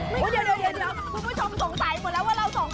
เดี๋ยวคุณผู้ชมสงสัยหมดแล้วว่าเราสองคน